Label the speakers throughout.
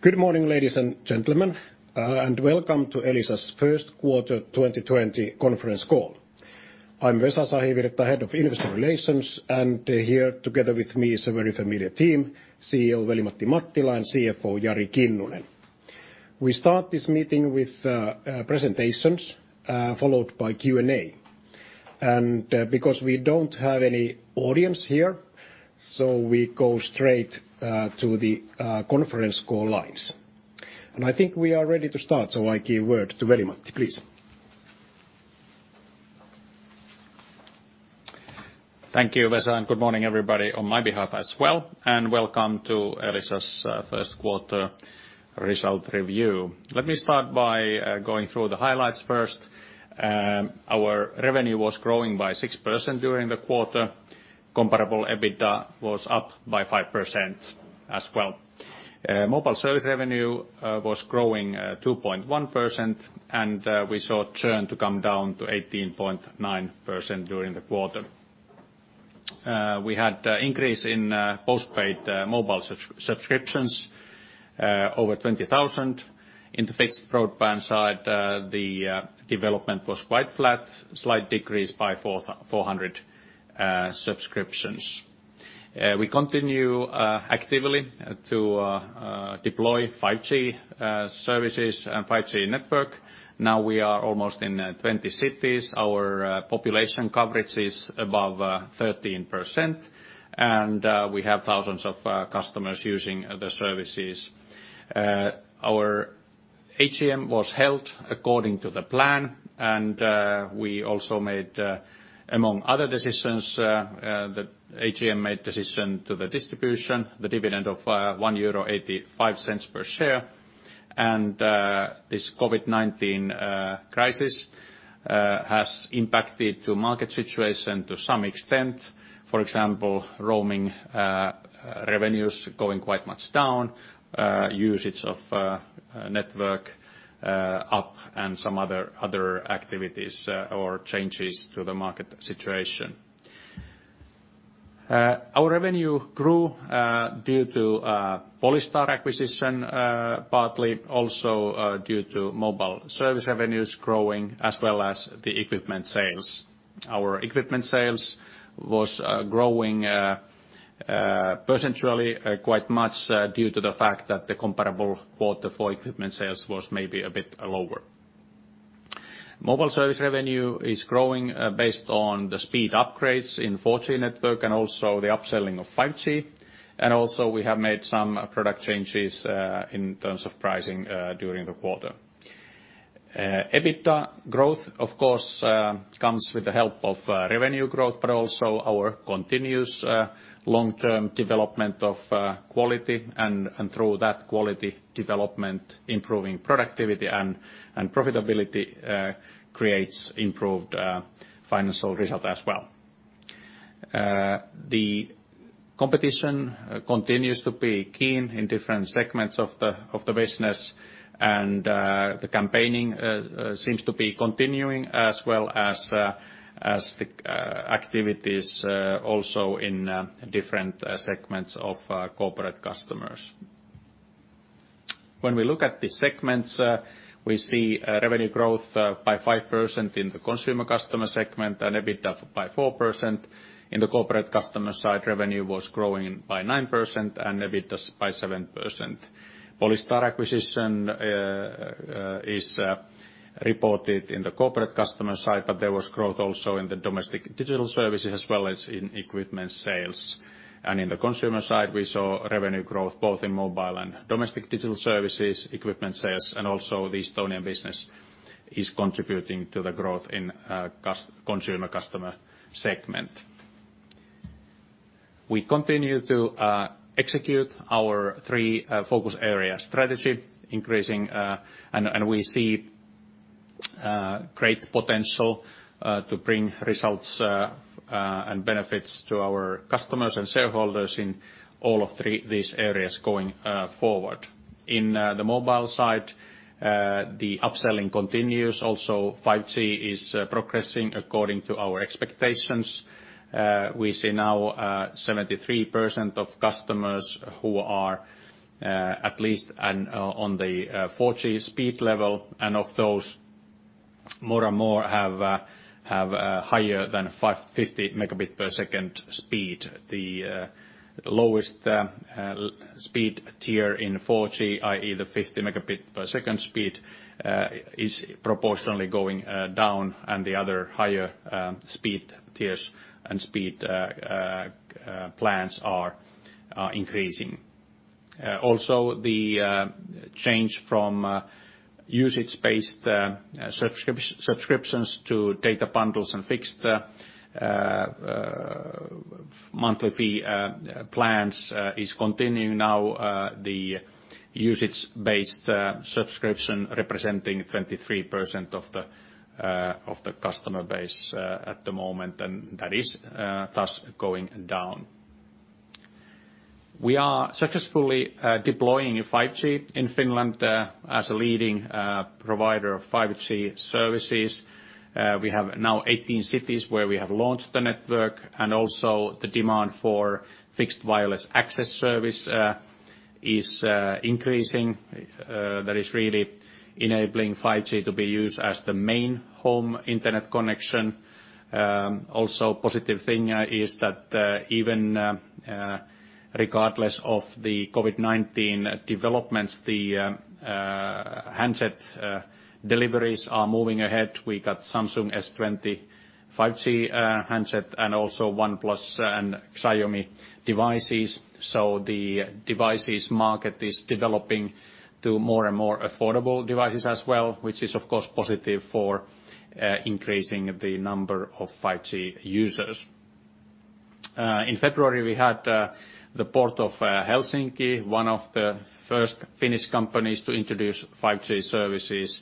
Speaker 1: Good morning, ladies and gentlemen, and welcome to Elisa's first quarter 2020 conference call. I'm Vesa Sahivirta, Head of Investor Relations, and here together with me is a very familiar team, CEO Veli-Matti Mattila and CFO Jari Kinnunen. We start this meeting with presentations, followed by Q&A. Because we don't have any audience here, we go straight to the conference call lines. I think we are ready to start, I give word to Veli-Matti, please.
Speaker 2: Thank you, Vesa, good morning, everybody, on my behalf as well, welcome to Elisa's first quarter result review. Let me start by going through the highlights first. Our revenue was growing by 6% during the quarter. Comparable EBITDA was up by 5% as well. Mobile service revenue was growing 2.1%, we saw churn to come down to 18.9% during the quarter. We had increase in postpaid mobile subscriptions, over 20,000. In the fixed broadband side, the development was quite flat, slight decrease by 400 subscriptions. We continue actively to deploy 5G services and 5G network. Now we are almost in 20 cities. Our population coverage is above 13%, we have thousands of customers using the services. Our AGM was held according to the plan, we also made, among other decisions, the AGM made decision to the distribution, the dividend of 1.85 euro per share. This COVID-19 crisis has impacted to market situation to some extent. For example, roaming revenues going quite much down, usage of network up, and some other activities or changes to the market situation. Our revenue grew due to Polystar acquisition, partly also due to mobile service revenues growing as well as the equipment sales. Our equipment sales was growing percentually quite much due to the fact that the comparable quarter for equipment sales was maybe a bit lower. Mobile service revenue is growing based on the speed upgrades in 4G network and also the upselling of 5G. Also we have made some product changes in terms of pricing during the quarter. EBITDA growth, of course, comes with the help of revenue growth, but also our continuous long-term development of quality, and through that quality development, improving productivity and profitability creates improved financial result as well. The competition continues to be keen in different segments of the business, and the campaigning seems to be continuing as well as the activities also in different segments of corporate customers. When we look at the segments, we see revenue growth by 5% in the consumer customer segment and EBITDA by 4%. In the corporate customer side, revenue was growing by 9% and EBITDA by 7%. Polystar acquisition is reported in the corporate customer side, but there was growth also in the domestic digital services as well as in equipment sales. In the consumer side, we saw revenue growth both in mobile and domestic digital services, equipment sales, and also the Estonian business is contributing to the growth in consumer customer segment. We continue to execute our three focus areas strategy. We see great potential to bring results and benefits to our customers and shareholders in all of these areas going forward. In the mobile side, the upselling continues. 5G is progressing according to our expectations. We see now 73% of customers who are at least on the 4G speed level. Of those, more and more have higher than 50 mbps speed. The lowest speed tier in 4G, i.e. the 50 mbps speed, is proportionally going down. The other higher speed tiers and speed plans are increasing. The change from usage-based subscriptions to data bundles and fixed monthly fee plans is continuing now, the usage-based subscription representing 23% of the customer base at the moment. That is thus going down. We are successfully deploying 5G in Finland as a leading provider of 5G services. We have now 18 cities where we have launched the network. The demand for Fixed Wireless Access services is increasing. That is really enabling 5G to be used as the main home internet connection. A positive thing is that even regardless of the COVID-19 developments, the handset deliveries are moving ahead. We got Samsung S20 5G handset and OnePlus and Xiaomi devices. The devices market is developing to more and more affordable devices as well, which is, of course, positive for increasing the number of 5G users. In February, we had the Port of Helsinki, one of the first Finnish companies to introduce 5G services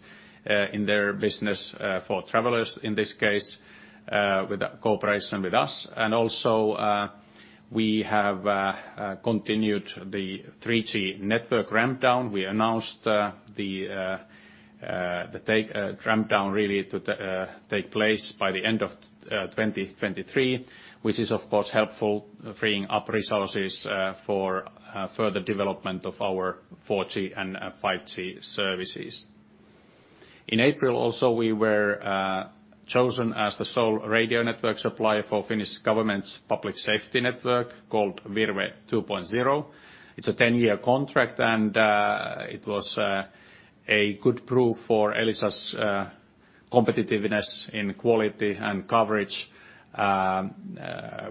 Speaker 2: in their business for travelers, in this case, with cooperation with us. We have continued the 3G network ramp down. We announced the ramp down really to take place by the end of 2023, which is, of course, helpful, freeing up resources for further development of our 4G and 5G services. In April also, we were chosen as the sole radio network supplier for Finnish government's public safety network called VIRVE 2.0. It's a 10-year contract. It was a good proof for Elisa's competitiveness in quality and coverage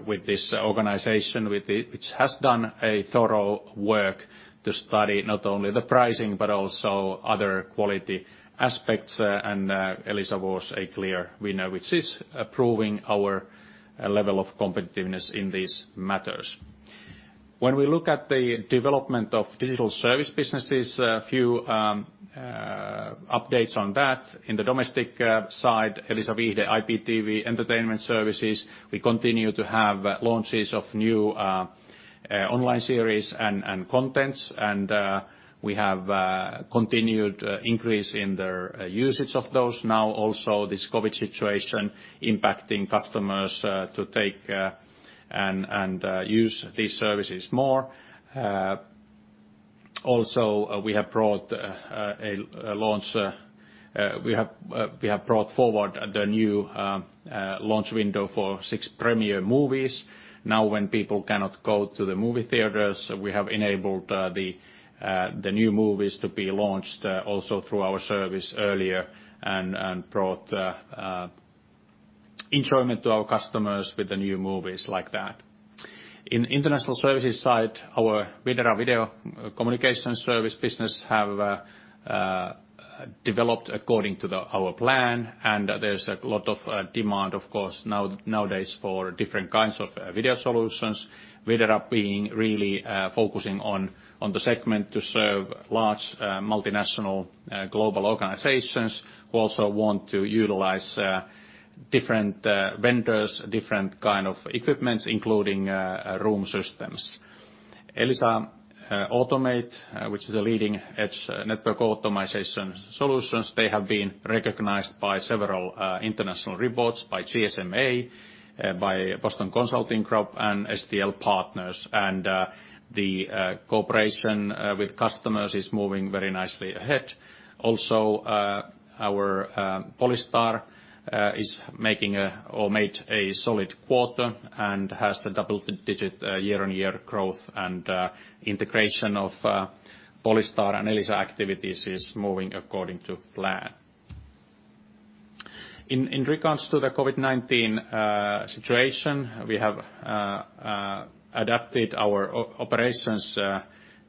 Speaker 2: with this organization, which has done a thorough work to study not only the pricing but also other quality aspects. Elisa was a clear winner, which is proving our level of competitiveness in these matters. When we look at the development of digital service businesses, a few updates on that. In the domestic side, Elisa Viihde, the IPTV entertainment services, we continue to have launches of new online series and contents. We have continued increase in their usage of those. Also this COVID-19 situation impacting customers to take and use these services more. Also, we have brought forward the new launch window for six premiere movies. When people cannot go to the movie theaters, we have enabled the new movies to be launched also through our service earlier and brought enjoyment to our customers with the new movies like that. In international services side, our Videra video communications service business have developed according to our plan. There's a lot of demand, of course, nowadays for different kinds of video solutions. Videra being really focusing on the segment to serve large multinational global organizations who also want to utilize different vendors, different kind of equipments, including room systems. Elisa Automate, which is a leading-edge network optimization solutions, they have been recognized by several international reports, by GSMA, by Boston Consulting Group, and STL Partners. The cooperation with customers is moving very nicely ahead. Also, our Polystar is making or made a solid quarter and has a double-digit year-on-year growth and integration of Polystar and Elisa activities is moving according to plan. In regards to the COVID-19 situation, we have adapted our operations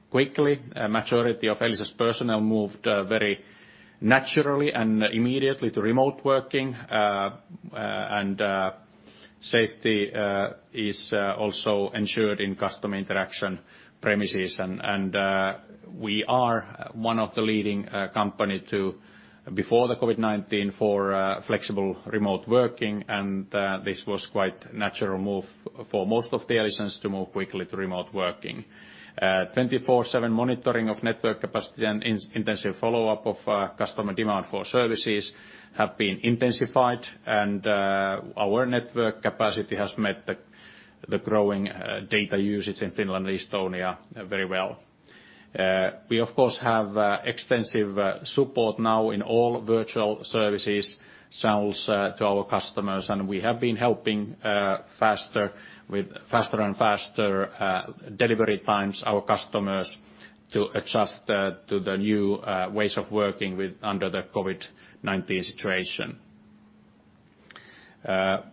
Speaker 2: quickly. Majority of Elisa's personnel moved very naturally and immediately to remote working. Safety is also ensured in customer interaction premises. We are one of the leading company to, before the COVID-19, for flexible remote working. This was quite natural move for most of the Elisans to move quickly to remote working. 24/7 monitoring of network capacity and intensive follow-up of customer demand for services have been intensified. Our network capacity has met the growing data usage in Finland and Estonia very well. We, of course, have extensive support now in all virtual services channels to our customers, and we have been helping with faster and faster delivery times our customers to adjust to the new ways of working under the COVID-19 situation.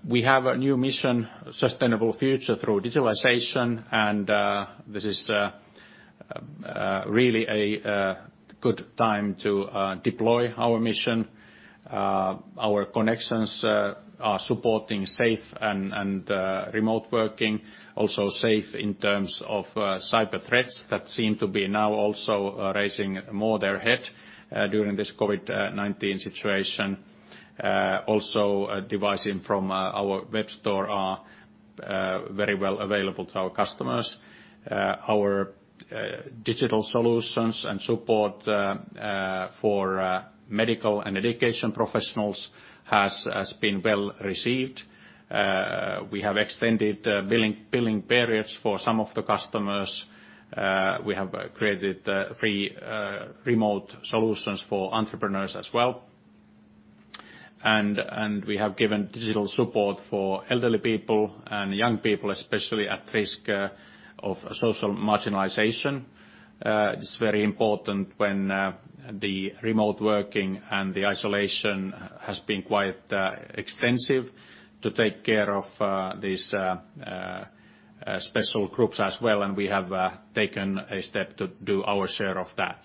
Speaker 2: We have a new mission, sustainable future through digitalization, and this is really a good time to deploy our mission. Our connections are supporting safe and remote working, also safe in terms of cyber threats that seem to be now also raising more their head during this COVID-19 situation. Devices from our web store are very well available to our customers. Our digital solutions and support for medical and education professionals has been well received. We have extended billing periods for some of the customers. We have created free remote solutions for entrepreneurs as well. We have given digital support for elderly people and young people, especially at risk of social marginalization. It's very important when the remote working and the isolation has been quite extensive to take care of these special groups as well, and we have taken a step to do our share of that.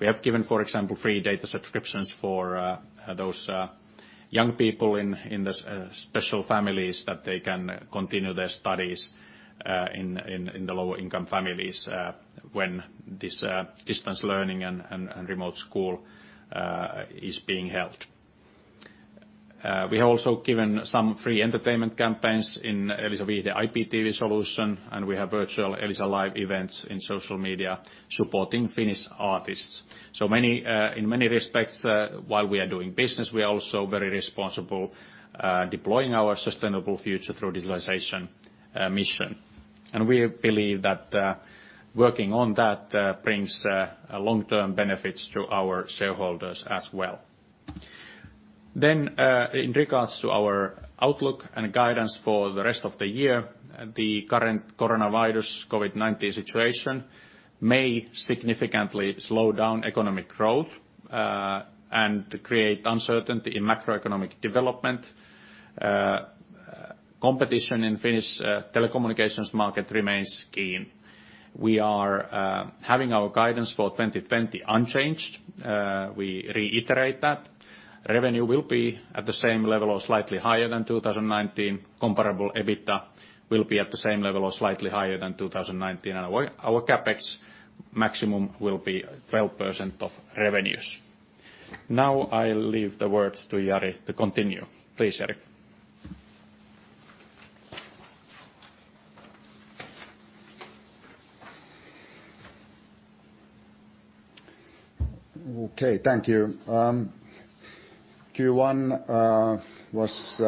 Speaker 2: We have given, for example, free data subscriptions for those young people in the special families that they can continue their studies in the lower income families when this distance learning and remote school is being held. We have also given some free entertainment campaigns in Elisa Viihde, the IPTV solution, and we have virtual Elisa Live events in social media supporting Finnish artists. In many respects, while we are doing business, we are also very responsible, deploying our sustainable future through digitalization mission. We believe that working on that brings long-term benefits to our shareholders as well. In regards to our outlook and guidance for the rest of the year, the current coronavirus COVID-19 situation may significantly slow down economic growth, and create uncertainty in macroeconomic development. Competition in Finnish telecommunications market remains keen. We are having our guidance for 2020 unchanged. We reiterate that. Revenue will be at the same level or slightly higher than 2019. Comparable EBITDA will be at the same level or slightly higher than 2019, and our CapEx maximum will be 12% of revenues. I'll leave the words to Jari to continue. Please, Jari.
Speaker 3: Okay. Thank you. Q1 was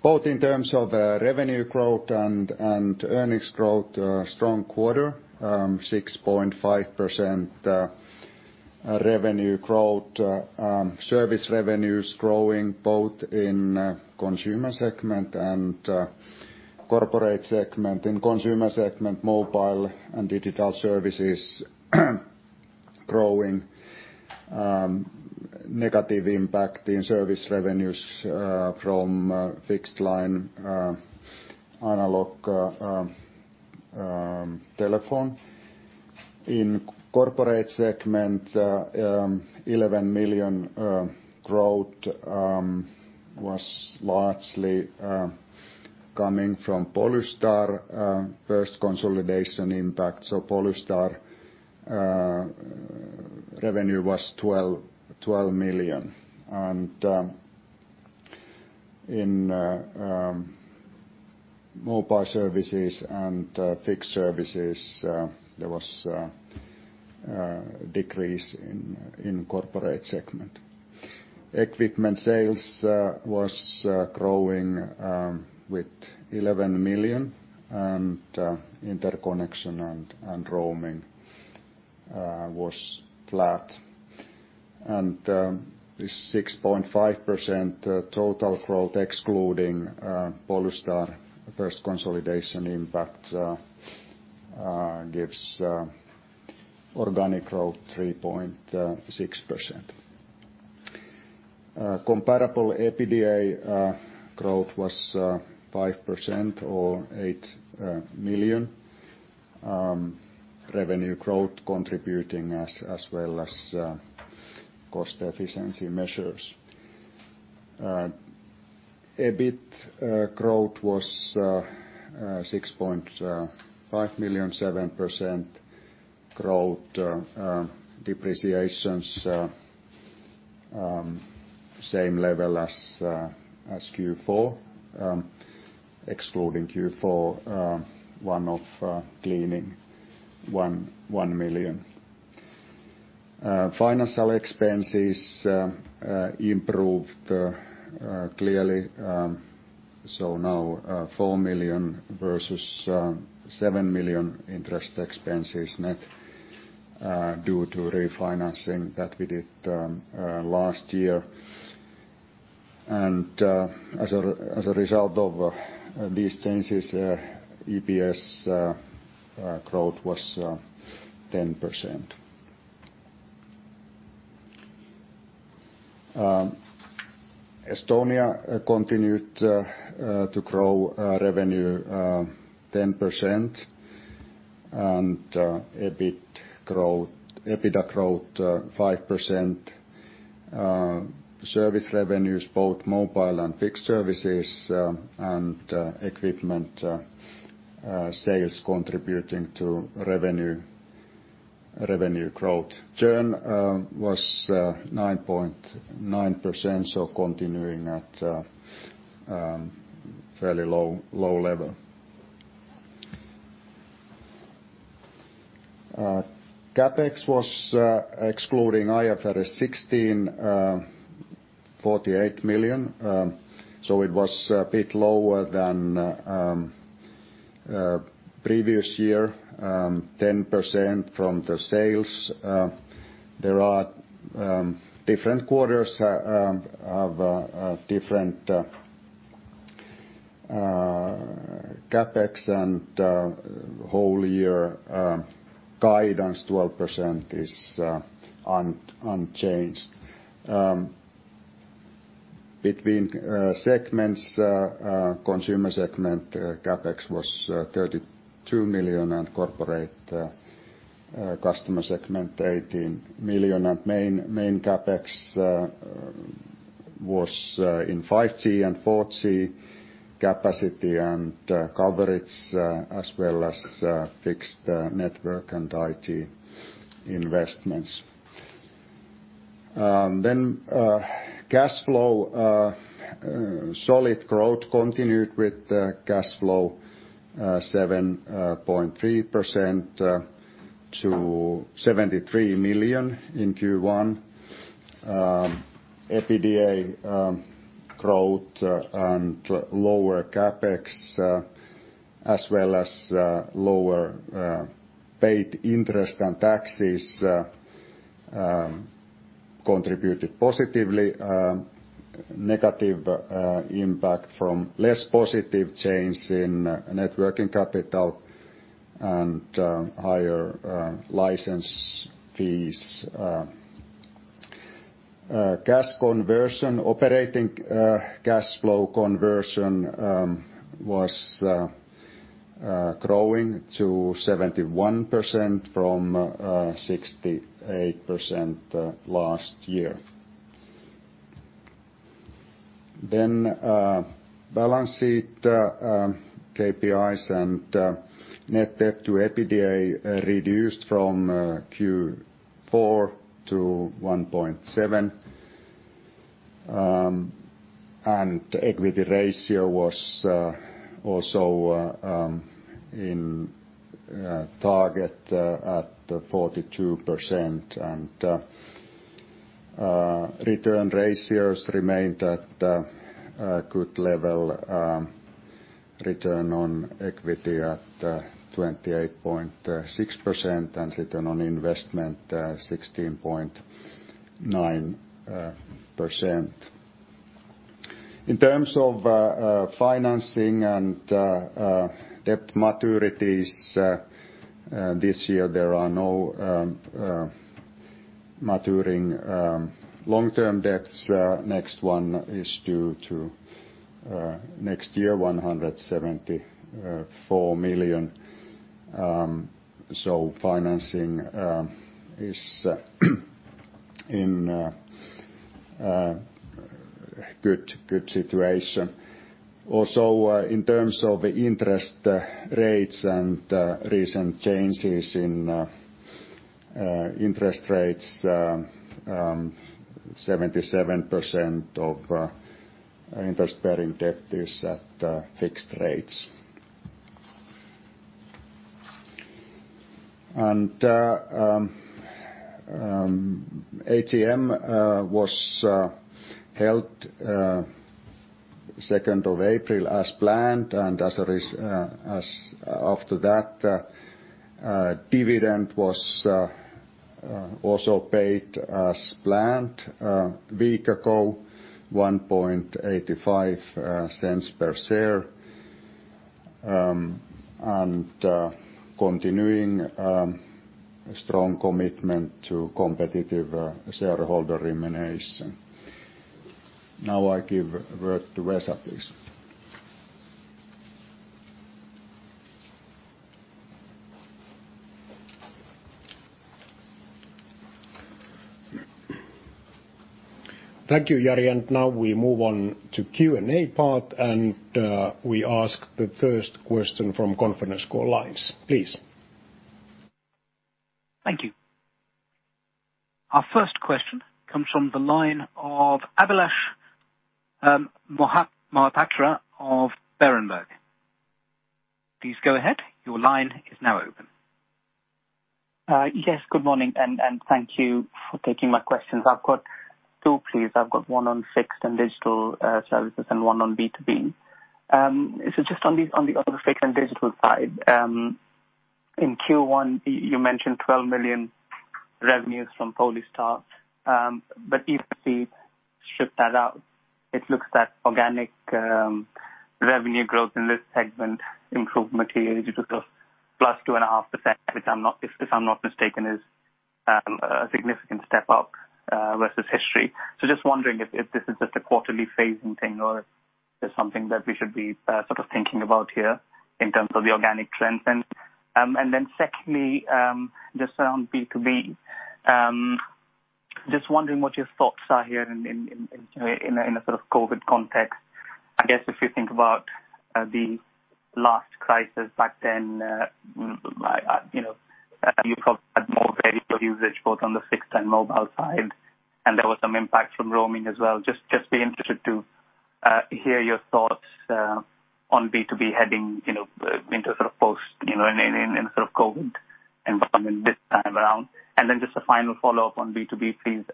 Speaker 3: both in terms of revenue growth and earnings growth, a strong quarter, 6.5% revenue growth. Service revenues growing both in consumer segment and corporate segment. In consumer segment, mobile and digital services growing. Negative impact in service revenues from fixed line analog telephone. In corporate segment, 11 million growth was largely coming from Polystar first consolidation impact. Polystar revenue was EUR 12 million. In mobile services and fixed services, there was a decrease in corporate segment. Equipment sales was growing with 11 million. Interconnection and roaming was flat. This 6.5% total growth excluding Polystar first consolidation impact gives organic growth 3.6%. Comparable EBITDA growth was 5% or 8 million. Revenue growth contributing as well as cost efficiency measures. EBIT growth was 6.5 million, 7% growth. Depreciations same level as Q4, excluding Q4 one-off cleaning EUR 1 million. Financial expenses improved clearly, now 4 million versus 7 million interest expenses net due to refinancing that we did last year. As a result of these changes, EPS growth was 10%. Estonia continued to grow revenue 10% and EBITDA growth 5%. Service revenues, both mobile and fixed services and equipment sales contributing to revenue growth. Churn was 9.9%, continuing at fairly low level. CapEx was excluding IFRS 16, 48 million. It was a bit lower than previous year, 10% from the sales. There are different quarters of different CapEx and whole year guidance, 12% is unchanged. Between segments, consumer segment CapEx was 32 million and corporate customer segment 18 million, main CapEx was in 5G and 4G capacity and coverage, as well as fixed network and IT investments. Cash flow. Solid growth continued with cash flow 7.3% to EUR 73 million in Q1. EBITDA growth and lower CapEx, as well as lower paid interest and taxes, contributed positively. Negative impact from less positive change in networking capital and higher license fees. Operating cash flow conversion was growing to 71% from 68% last year. Balance sheet KPIs and net debt to EBITDA reduced from Q4 to 1.7. Equity ratio was also in target at 42%, and return ratios remained at a good level, return on equity at 28.6% and return on investment 16.9%. In terms of financing and debt maturities this year, there are no maturing long-term debts. Next one is due to next year, 174 million. Financing is in a good situation. Also, in terms of interest rates and recent changes in interest rates, 77% of interest-bearing debt is at fixed rates. AGM was held 2nd of April as planned, after that dividend was also paid as planned a week ago, 0.0185 per share. Continuing strong commitment to competitive shareholder remuneration. Now I give word to Vesa, please. Thank you, Jari. Now we move on to Q&A part, and we ask the first question from Conference Call Lives. Please.
Speaker 4: Thank you. Our first question comes from the line of Abhilash Mohapatra of Berenberg. Please go ahead. Your line is now open.
Speaker 5: Yes, good morning, and thank you for taking my questions. I've got two, please. I've got one on fixed and digital services and one on B2B. Just on the fixed and digital side, in Q1, you mentioned 12 million revenues from Polystar. If we strip that out, it looks that organic revenue growth in this segment improved materially to plus 2.5%, if I'm not mistaken, is a significant step-up versus history. Just wondering if this is just a quarterly phasing thing or if there's something that we should be thinking about here in terms of the organic trends. Secondly, just around B2B. Just wondering what your thoughts are here in a sort of COVID context. I guess if you think about the last crisis back then, you probably had more variable usage both on the fixed and mobile side, and there was some impact from roaming as well. Just be interested to hear your thoughts on B2B heading into sort of post, in a sort of COVID environment this time around. Just a final follow-up on B2B, please.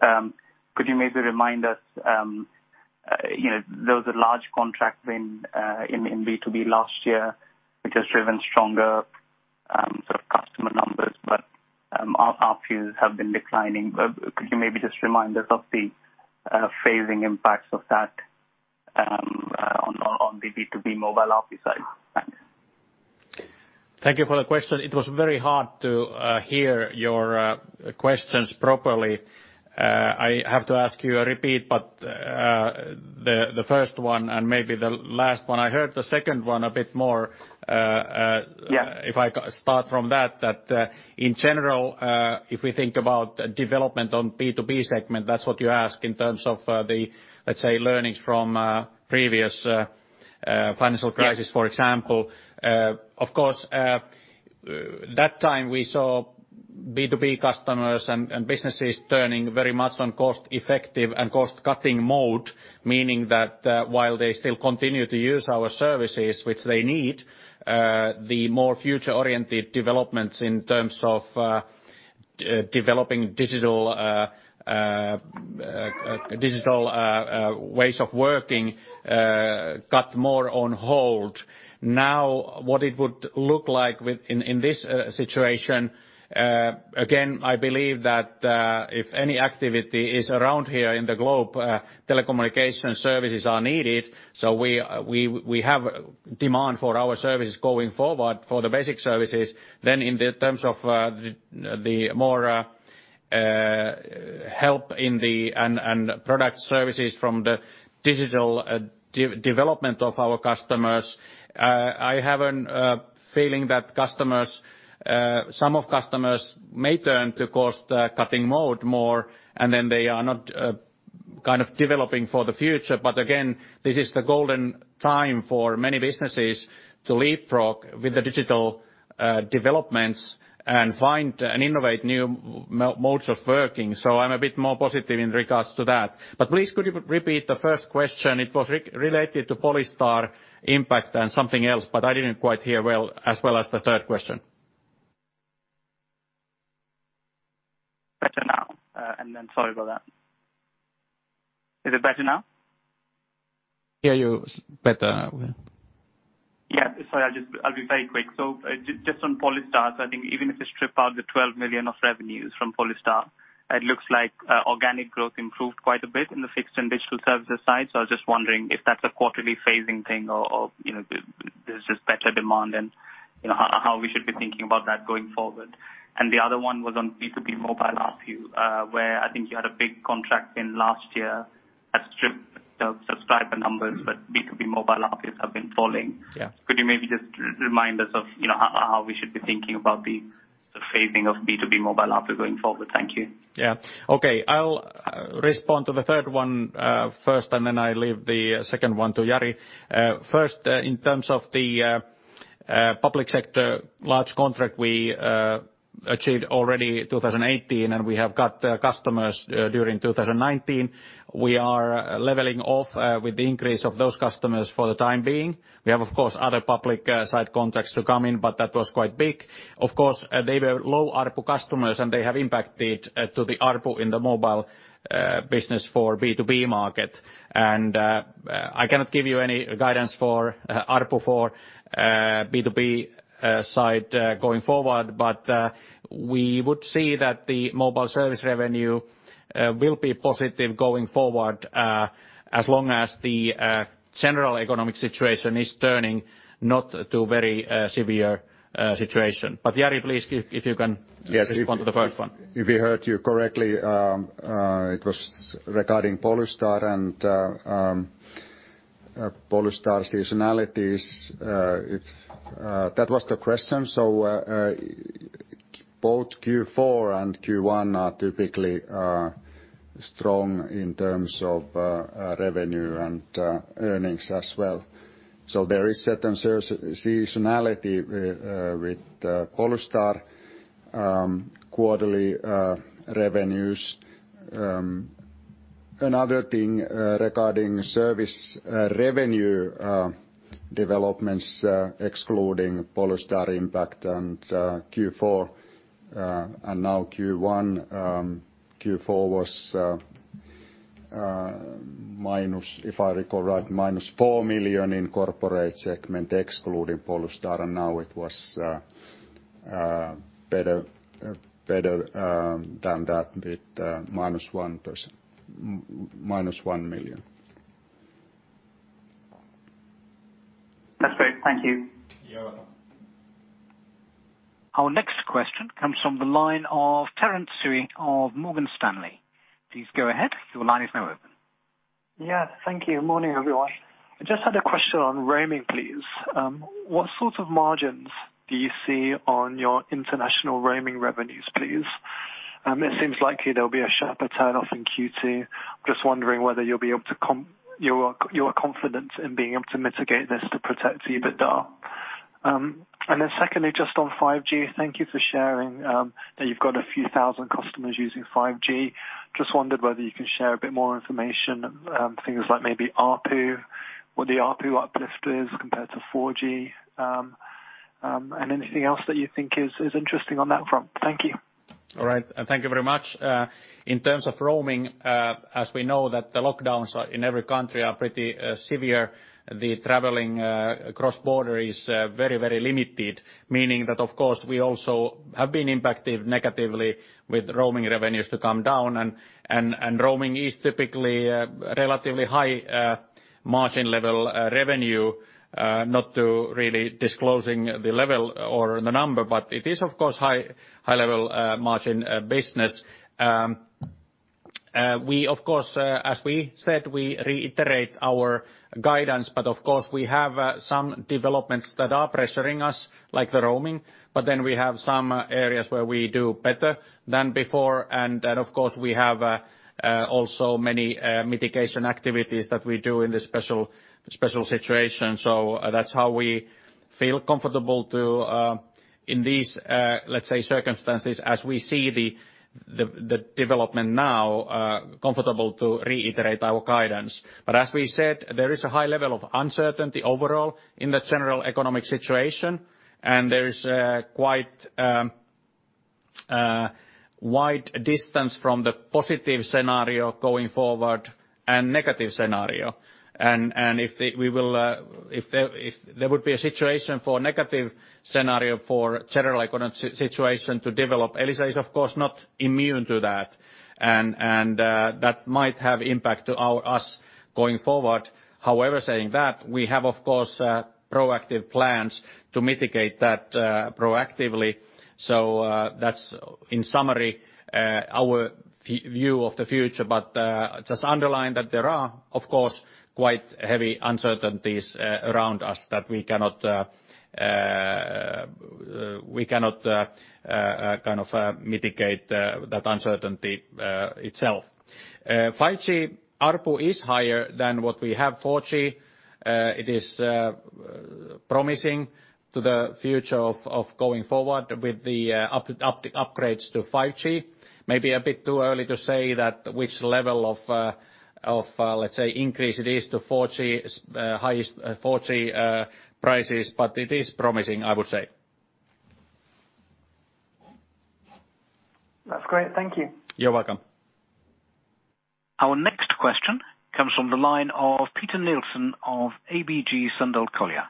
Speaker 5: Could you maybe remind us, there was a large contract in B2B last year, which has driven stronger sort of customer numbers, but ARPUs have been declining. Could you maybe just remind us of the phasing impacts of that on the B2B mobile ARPU side? Thanks.
Speaker 2: Thank you for the question. It was very hard to hear your questions properly. I have to ask you a repeat, but the first one and maybe the last one. I heard the second one a bit more.
Speaker 5: Yeah
Speaker 2: If I start from that in general, if we think about development on B2B segment, that's what you ask in terms of the, let's say, learnings from previous financial crisis.
Speaker 5: Yeah
Speaker 2: for example. Of course, that time we saw B2B customers and businesses turning very much on cost-effective and cost-cutting mode, meaning that while they still continue to use our services, which they need, the more future-oriented developments in terms of developing digital ways of working got more on hold. What it would look like in this situation, again, I believe that if any activity is around here in the globe, telecommunication services are needed. We have demand for our services going forward for the basic services. In the terms of the more help and product services from the digital development of our customers, I have a feeling that some of customers may turn to cost-cutting mode more, and then they are not kind of developing for the future. Again, this is the golden time for many businesses to leapfrog with the digital developments and find and innovate new modes of working. I'm a bit more positive in regards to that. Please could you repeat the first question? It was related to Polystar impact and something else, but I didn't quite hear as well as the third question.
Speaker 5: Better now. Sorry about that. Is it better now?
Speaker 2: Hear you better now, yeah.
Speaker 5: Yeah, sorry, I'll be very quick. Just on Polystar, I think even if you strip out the 12 million of revenues from Polystar, it looks like organic growth improved quite a bit in the fixed and digital services side. I was just wondering if that's a quarterly phasing thing or there's just better demand and how we should be thinking about that going forward. The other one was on B2B mobile ARPU, where I think you had a big contract in last year that stripped the subscriber numbers, but B2B mobile ARPUs have been falling.
Speaker 2: Yeah.
Speaker 5: Could you maybe just remind us of how we should be thinking about the phasing of B2B mobile ARPU going forward? Thank you.
Speaker 2: Yeah. I'll respond to the third one first, and then I leave the second one to Jari. In terms of the public sector large contract, we achieved already 2018, and we have got customers during 2019. We are leveling off with the increase of those customers for the time being. We have, of course, other public site contracts to come in. That was quite big. They were low ARPU customers, and they have impacted to the ARPU in the mobile business for B2B market. I cannot give you any guidance for ARPU for B2B side going forward. We would see that the mobile service revenue will be positive going forward, as long as the general economic situation is turning not to very severe situation. Jari, please, if you can.
Speaker 3: Yes
Speaker 2: respond to the first one.
Speaker 3: If we heard you correctly, it was regarding Polystar and Polystar seasonalities. If that was the question, both Q4 and Q1 are typically strong in terms of revenue and earnings as well. There is certain seasonality with Polystar quarterly revenues. Regarding service revenue developments excluding Polystar impact and Q4 are now Q1. Q4 was minus, if I recall right, -4 million in corporate segment excluding Polystar, and now it was better than that with -EUR 1 million.
Speaker 5: That's great. Thank you.
Speaker 2: You're welcome.
Speaker 4: Our next question comes from the line of Terence Tsui of Morgan Stanley. Please go ahead. Your line is now open.
Speaker 6: Yeah. Thank you. Morning, everyone. I just had a question on roaming, please. What sorts of margins do you see on your international roaming revenues, please? It seems likely there'll be a sharper turn-off in Q2. I'm just wondering whether you are confident in being able to mitigate this to protect EBITDA. Secondly, just on 5G. Thank you for sharing that you've got a few thousand customers using 5G. Just wondered whether you can share a bit more information, things like maybe ARPU, what the ARPU uplift is compared to 4G? Anything else that you think is interesting on that front. Thank you.
Speaker 2: All right. Thank you very much. In terms of roaming, as we know that the lockdowns in every country are pretty severe, the traveling cross border is very limited. Meaning that, of course, we also have been impacted negatively with roaming revenues to come down, and roaming is typically a relatively high margin level revenue. It is, of course, high level margin business. As we said, we reiterate our guidance, but of course, we have some developments that are pressuring us, like the roaming, but then we have some areas where we do better than before. Of course, we have also many mitigation activities that we do in this special situation. That's how we feel comfortable to in these, let's say, circumstances, as we see the development now, comfortable to reiterate our guidance. As we said, there is a high level of uncertainty overall in the general economic situation, and there is quite a wide distance from the positive scenario going forward and negative scenario. If there would be a situation for negative scenario for general economic situation to develop, Elisa is, of course, not immune to that. That might have impact to us going forward. However, saying that, we have, of course, proactive plans to mitigate that proactively. That's in summary our view of the future. Just underline that there are, of course, quite heavy uncertainties around us that we cannot kind of mitigate that uncertainty itself. 5G ARPU is higher than what we have 4G. It is promising to the future of going forward with the upgrades to 5G. Maybe a bit too early to say that which level of let's say increase it is to highest 4G prices, but it is promising, I would say.
Speaker 6: That's great. Thank you.
Speaker 2: You're welcome.
Speaker 4: Our next question comes from the line of Peter Nielsen of ABG Sundal Collier.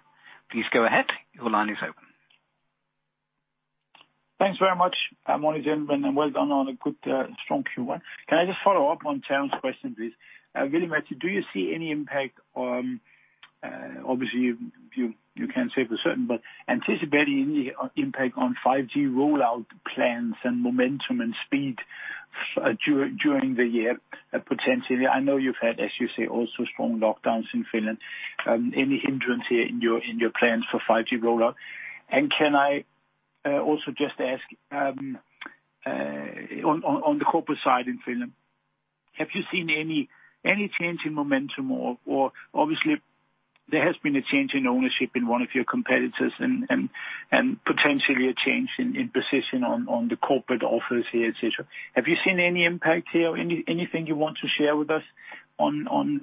Speaker 4: Please go ahead. Your line is open.
Speaker 7: Thanks very much. Morning, gentlemen. Well done on a good, strong Q1. Can I just follow up on Town's question, please? Veli-Matti, do you see any impact on obviously you can't say for certain, but anticipating the impact on 5G rollout plans and momentum and speed during the year potentially? I know you've had, as you say, also strong lockdowns in Finland. Any hindrance here in your plans for 5G rollout? Can I also just ask on the corporate side in Finland, have you seen any change in momentum or obviously there has been a change in ownership in one of your competitors and potentially a change in position on the corporate office here, et cetera. Have you seen any impact here? Anything you want to share with us on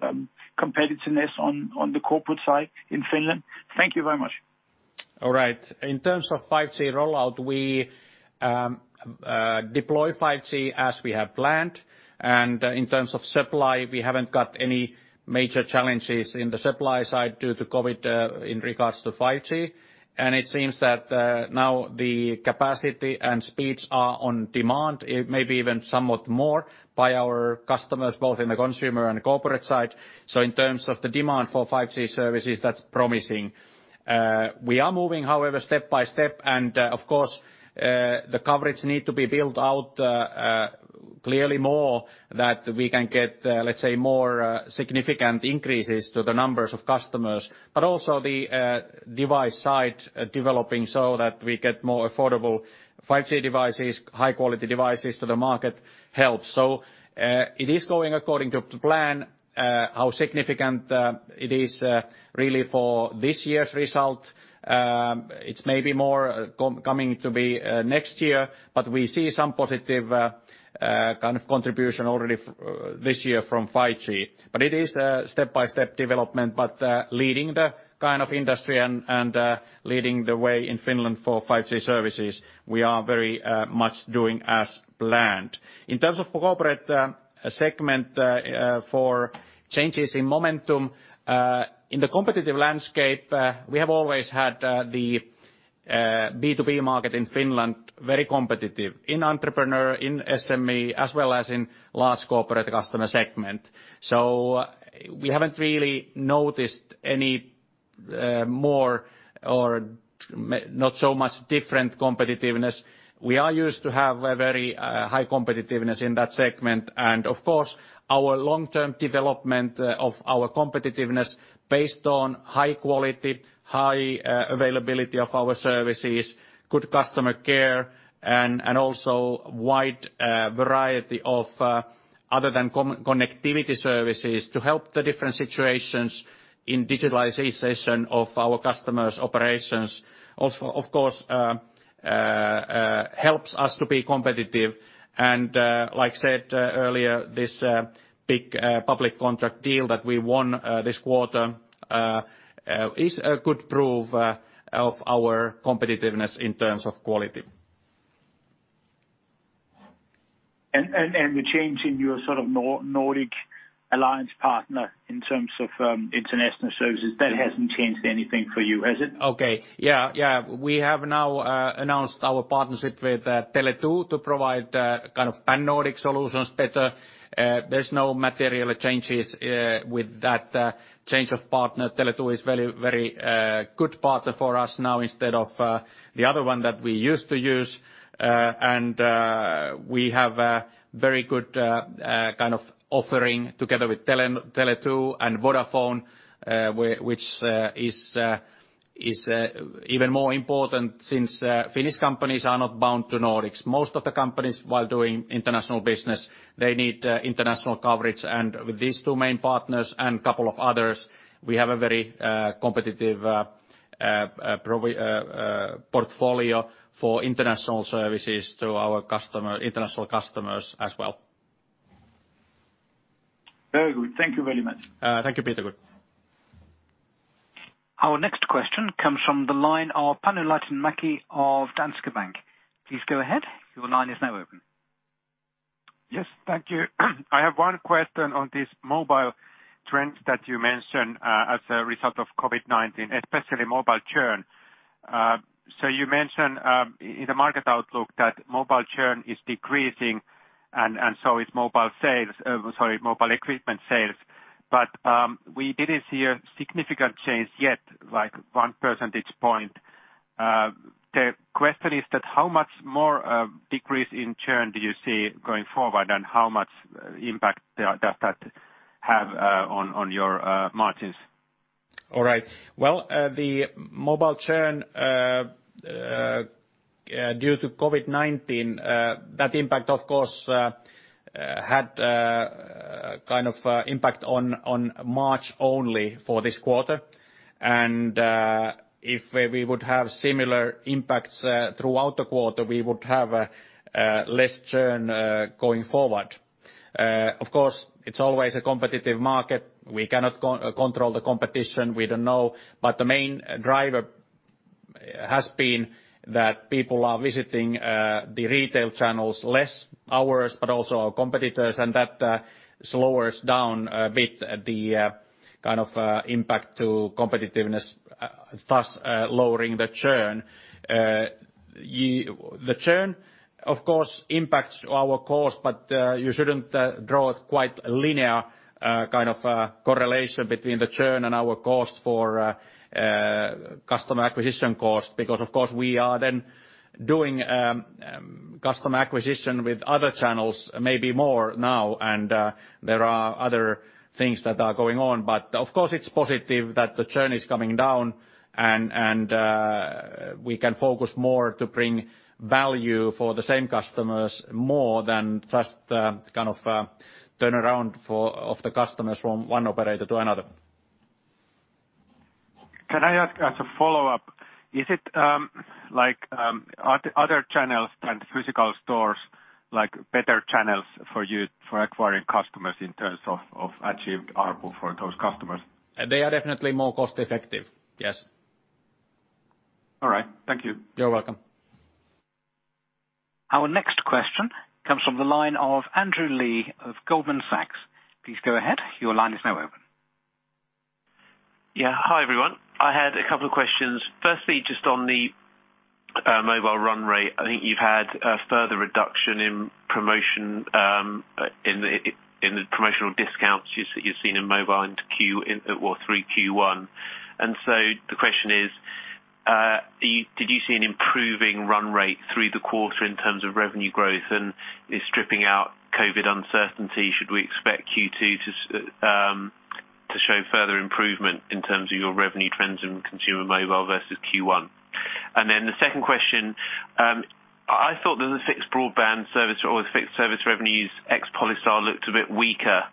Speaker 7: competitiveness on the corporate side in Finland? Thank you very much.
Speaker 2: All right. In terms of 5G rollout, we deploy 5G as we have planned. In terms of supply, we haven't got any major challenges in the supply side due to COVID in regards to 5G. It seems that now the capacity and speeds are on demand, it may be even somewhat more by our customers, both in the consumer and the corporate side. In terms of the demand for 5G services, that's promising. We are moving, however, step by step, and of course, the coverage need to be built out clearly more that we can get, let's say, more significant increases to the numbers of customers. Also the device side developing so that we get more affordable 5G devices, high quality devices to the market helps. It is going according to plan. How significant it is really for this year's result it's maybe more coming to be next year, but we see some positive kind of contribution already this year from 5G. It is a step-by-step development, but leading the kind of industry and leading the way in Finland for 5G services, we are very much doing as planned. In terms of corporate segment for changes in momentum, in the competitive landscape we have always had the B2B market in Finland very competitive in entrepreneur, in SME, as well as in large corporate customer segment. We haven't really noticed any more or not so much different competitiveness. We are used to have a very high competitiveness in that segment. Of course, our long-term development of our competitiveness based on high quality, high availability of our services, good customer care, and also wide variety of other than connectivity services to help the different situations in digitalization of our customers' operations, of course, helps us to be competitive. Like said earlier, this big public contract deal that we won this quarter is a good proof of our competitiveness in terms of quality.
Speaker 7: The change in your Nordic alliance partner in terms of international services, that hasn't changed anything for you, has it?
Speaker 2: Okay. Yeah. We have now announced our partnership with Tele2 to provide kind of pan-Nordic solutions better. There's no material changes with that change of partner. Tele2 is very good partner for us now instead of the other one that we used to use. We have a very good offering together with Tele2 and Vodafone, which is even more important since Finnish companies are not bound to Nordics. Most of the companies while doing international business, they need international coverage. With these two main partners and couple of others, we have a very competitive portfolio for international services to our international customers as well.
Speaker 7: Very good. Thank you very much.
Speaker 2: Thank you, Peter. Good.
Speaker 4: Our next question comes from the line of Panu Laitinmäki of Danske Bank. Please go ahead. Your line is now open.
Speaker 8: Yes. Thank you. I have one question on this mobile trends that you mentioned, as a result of COVID-19, especially mobile churn. You mentioned, in the market outlook that mobile churn is decreasing and so is mobile equipment sales. We didn't see a significant change yet, like one percentage point. The question is that how much more decrease in churn do you see going forward and how much impact does that have on your margins?
Speaker 2: All right. Well, the mobile churn due to COVID-19, that impact of course, had kind of impact on March only for this quarter. If we would have similar impacts throughout the quarter, we would have less churn going forward. Of course, it's always a competitive market. We cannot control the competition. We don't know, but the main driver has been that people are visiting the retail channels less hours, but also our competitors, and that slows down a bit the kind of impact to competitiveness thus lowering the churn. The churn of course impacts our cost, but you shouldn't draw quite a linear kind of correlation between the churn and our cost for customer acquisition cost because, of course, we are then doing customer acquisition with other channels, maybe more now. There are other things that are going on. Of course, it's positive that the churn is coming down and we can focus more to bring value for the same customers more than just kind of turnaround of the customers from one operator to another.
Speaker 8: Can I ask as a follow-up, is it like other channels than physical stores, like better channels for you for acquiring customers in terms of achieved ARPU for those customers?
Speaker 2: They are definitely more cost-effective. Yes.
Speaker 8: All right. Thank you.
Speaker 2: You're welcome.
Speaker 4: Our next question comes from the line of Andrew Lee of Goldman Sachs. Please go ahead. Your line is now open.
Speaker 9: Yeah. Hi, everyone. I had a couple of questions. Firstly, just on the mobile run rate. I think you've had a further reduction in the promotional discounts you've seen in mobile through Q1. The question is, did you see an improving run rate through the quarter in terms of revenue growth? Is stripping out COVID uncertainty, should we expect Q2 to show further improvement in terms of your revenue trends in consumer mobile versus Q1? The second question, I thought that the fixed broadband service or fixed service revenues ex-Polystar looked a bit weaker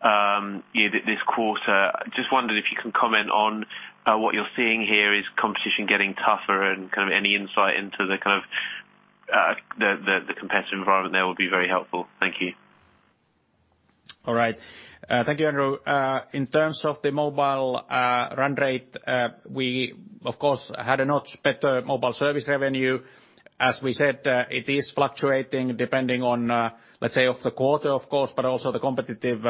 Speaker 9: this quarter. I just wondered if you can comment on what you're seeing here. Is competition getting tougher and kind of any insight into the competitive environment there would be very helpful. Thank you.
Speaker 2: All right. Thank you, Andrew. In terms of the mobile run rate, we of course had a much better mobile service revenue. As we said, it is fluctuating depending on, let's say, of the quarter of course, but also the competitive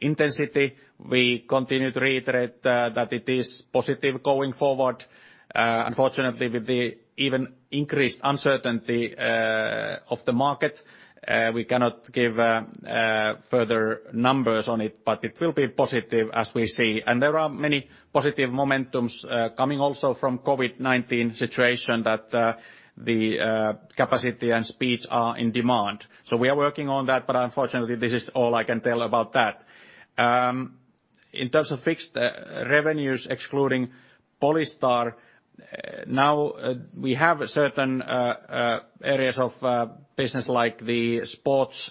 Speaker 2: intensity. We continue to reiterate that it is positive going forward. Unfortunately with the even increased uncertainty of the market, we cannot give further numbers on it, but it will be positive as we see. There are many positive momentums coming also from COVID-19 situation that the capacity and speeds are in demand. We are working on that, but unfortunately this is all I can tell about that. In terms of fixed revenues excluding Polystar, now we have certain areas of business like the sports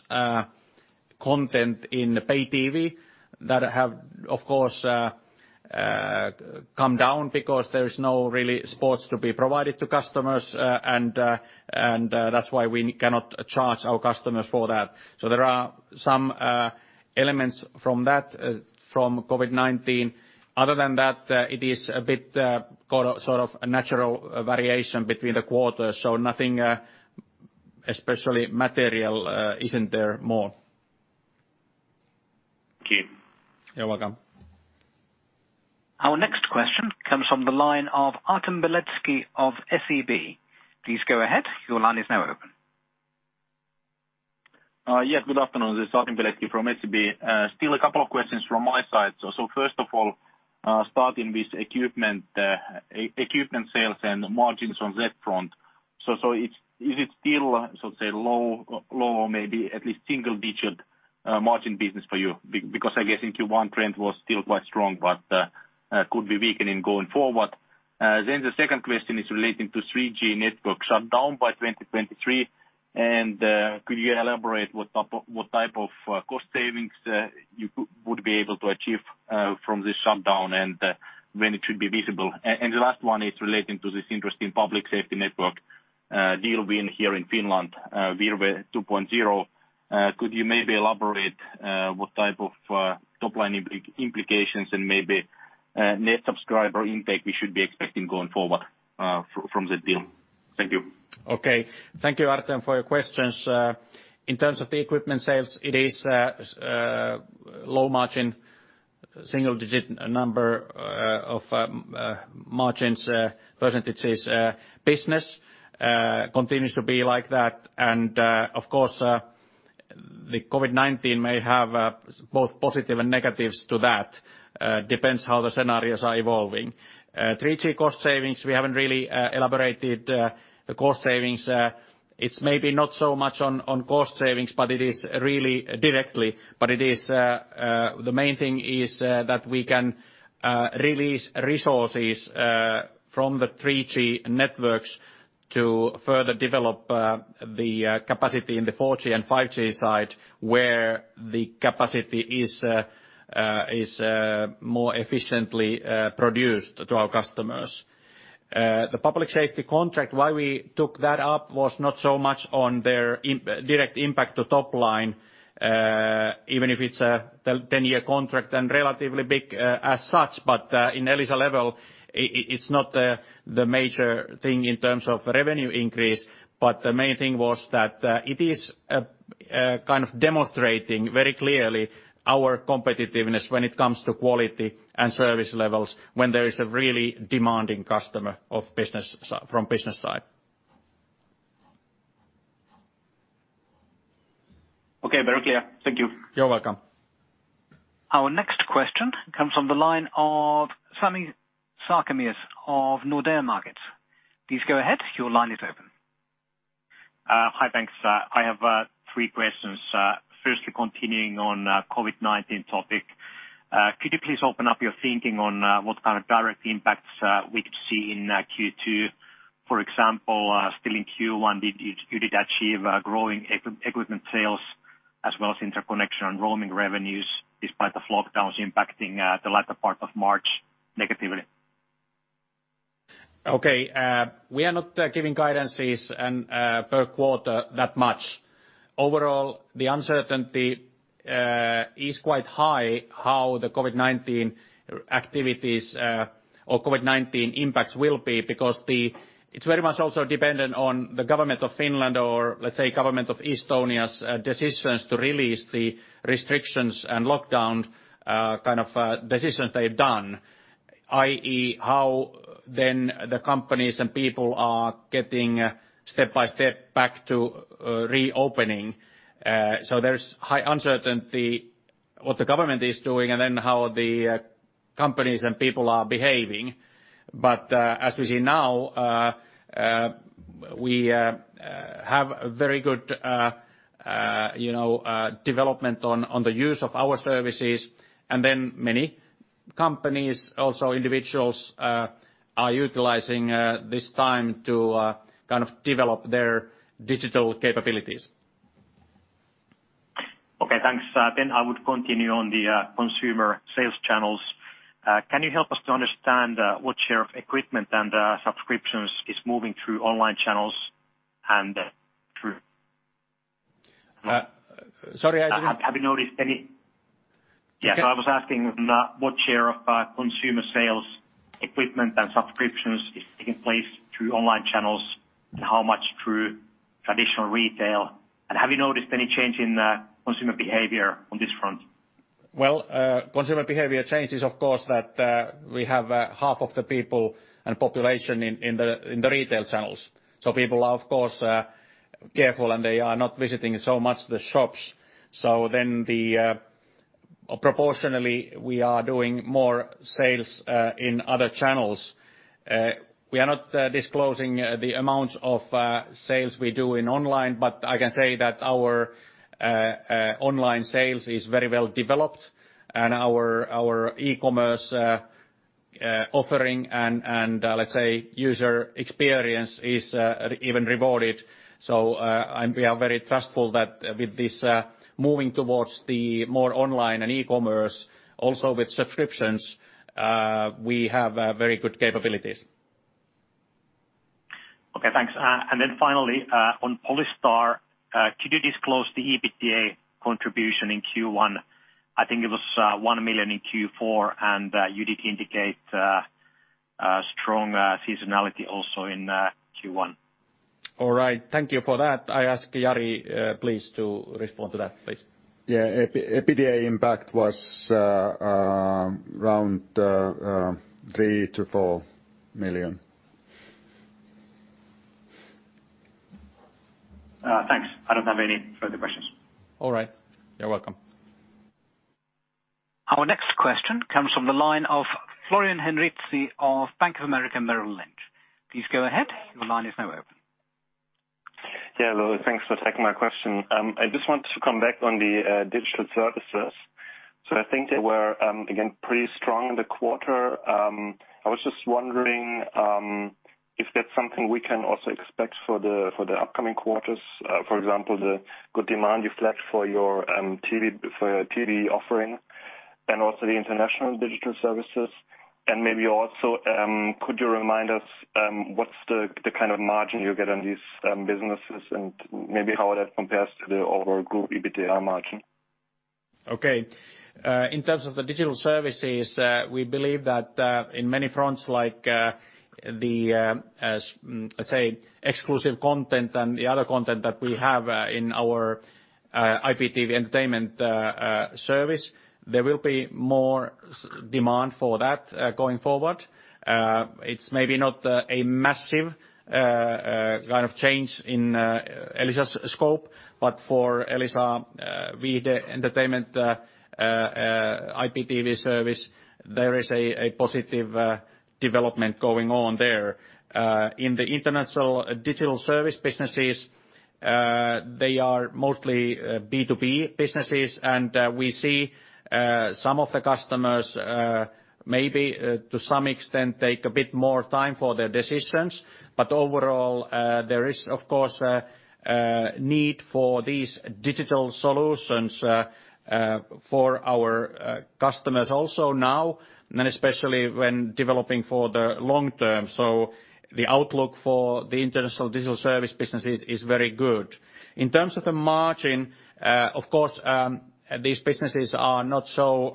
Speaker 2: content in pay TV that have, of course, come down because there is no really sports to be provided to customers, and that's why we cannot charge our customers for that. There are some elements from that, from COVID-19. Other than that, it is a bit sort of a natural variation between the quarters. Nothing especially material isn't there more.
Speaker 9: Thank you.
Speaker 2: You're welcome.
Speaker 4: Our next question comes from the line of Artem Beletski of SEB. Please go ahead. Your line is now open.
Speaker 10: Yes, good afternoon. This is Artem Beletski from SEB. Still a couple of questions from my side. First of all, starting with equipment sales and margins from that front. Is it still, low, maybe at least single-digit margin business for you? I guess in Q1, trend was still quite strong, but could be weakening going forward. The second question is relating to 3G network shutdown by 2023, and could you elaborate what type of cost savings you would be able to achieve from this shutdown and when it should be visible? The last one is relating to this interesting public safety network deal win here in Finland, Virve 2.0. Could you maybe elaborate what type of top-line implications and maybe net subscriber impact we should be expecting going forward from the deal? Thank you.
Speaker 2: Okay. Thank you, Artem, for your questions. In terms of the equipment sales, it is low margin, single-digit number of margins percentages business. Continues to be like that and, of course, the COVID-19 may have both positive and negatives to that, depends how the scenarios are evolving. 3G cost savings, we haven't really elaborated the cost savings. It's maybe not so much on cost savings directly. The main thing is that we can release resources from the 3G networks to further develop the capacity in the 4G and 5G side, where the capacity is more efficiently produced to our customers. The public safety contract, why we took that up was not so much on their direct impact to top line, even if it's a 10-year contract and relatively big as such. In Elisa level, it's not the major thing in terms of revenue increase. The main thing was that it is kind of demonstrating very clearly our competitiveness when it comes to quality and service levels when there is a really demanding customer from business side.
Speaker 10: Okay, very clear. Thank you.
Speaker 2: You're welcome.
Speaker 4: Our next question comes from the line of Sami Sarkamies of Nordea Markets. Please go ahead. Your line is open.
Speaker 11: Hi, thanks. I have three questions. Firstly, continuing on COVID-19 topic. Could you please open up your thinking on what kind of direct impacts we could see in Q2? For example, still in Q1, you did achieve growing equipment sales as well as interconnection and roaming revenues despite the lockdowns impacting the latter part of March negatively.
Speaker 2: Okay. We are not giving guidances per quarter that much. Overall, the uncertainty is quite high how the COVID-19 activities or COVID-19 impacts will be because it is very much also dependent on the government of Finland or, let's say, government of Estonia's decisions to release the restrictions and lockdowns decisions they've done. I.e., how the companies and people are getting step by step back to reopening. There's high uncertainty what the government is doing and how the companies and people are behaving. As we see now, we have very good development on the use of our services. Many companies, also individuals, are utilizing this time to develop their digital capabilities.
Speaker 11: Okay, thanks. I would continue on the consumer sales channels. Can you help us to understand what share of equipment and subscriptions is moving through online channels?
Speaker 2: Sorry, I didn't-
Speaker 11: Have you noticed any? Yeah.
Speaker 2: Okay.
Speaker 11: I was asking what share of consumer sales equipment and subscriptions is taking place through online channels and how much through traditional retail? Have you noticed any change in consumer behavior on this front?
Speaker 2: Consumer behavior change is, of course, that we have half of the people and population in the retail channels. People are, of course, careful, and they are not visiting so much the shops. Proportionally, we are doing more sales in other channels. We are not disclosing the amount of sales we do in online, but I can say that our online sales is very well developed, and our e-commerce offering and, let's say, user experience is even rewarded. We are very trustful that with this moving towards the more online and e-commerce, also with subscriptions, we have very good capabilities.
Speaker 11: Okay, thanks. Finally, on Polystar, could you disclose the EBITDA contribution in Q1? I think it was 1 million in Q4, and you did indicate strong seasonality also in Q1.
Speaker 2: All right. Thank you for that. I ask Jari please to respond to that, please.
Speaker 3: Yeah. EBITDA impact was around EUR 3 million-EUR 4 million.
Speaker 11: Thanks. I don't have any further questions.
Speaker 2: All right. You're welcome.
Speaker 4: Our next question comes from the line of Florian Henritzi of Bank of America Merrill Lynch. Please go ahead, your line is now open.
Speaker 12: Yeah. Well, thanks for taking my question. I just wanted to come back on the digital services. I think they were, again, pretty strong in the quarter. I was just wondering if that's something we can also expect for the upcoming quarters, for example, the good demand you flagged for your TV offering and also the international digital services. Maybe also, could you remind us what's the kind of margin you get on these businesses and maybe how that compares to the overall group EBITDA margin?
Speaker 2: In terms of the digital services, we believe that in many fronts like the, let's say, exclusive content and the other content that we have in our IPTV entertainment service, there will be more demand for that going forward. It's maybe not a massive kind of change in Elisa's scope, but for Elisa Viihde entertainment IPTV service, there is a positive development going on there. In the international digital service businesses, they are mostly B2B businesses, and we see some of the customers maybe to some extent take a bit more time for their decisions. Overall, there is, of course, need for these digital solutions for our customers also now, and especially when developing for the long term. The outlook for the international digital service business is very good. In terms of the margin, of course, these businesses are not so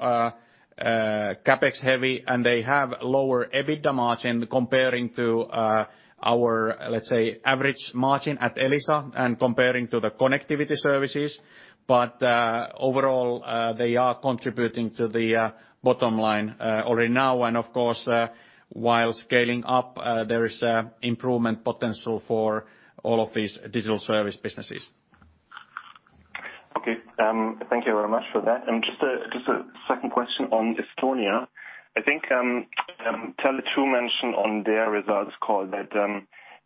Speaker 2: CapEx heavy, and they have lower EBITDA margin comparing to our, let's say, average margin at Elisa and comparing to the connectivity services. Overall, they are contributing to the bottom line already now. Of course, while scaling up, there is improvement potential for all of these digital service businesses.
Speaker 12: Okay. Thank you very much for that. Just a second question on Estonia. I think Tele2 mentioned on their results call that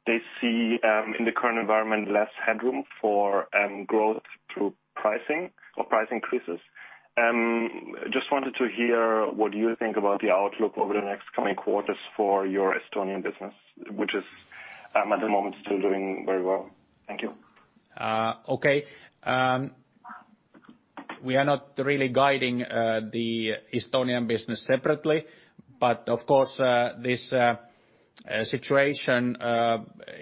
Speaker 12: they see in the current environment less headroom for growth through pricing or price increases. Just wanted to hear what you think about the outlook over the next coming quarters for your Estonian business, which is at the moment still doing very well. Thank you.
Speaker 2: Okay. We are not really guiding the Estonian business separately, of course, this situation